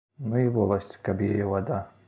Ну і воласць, каб яе вада.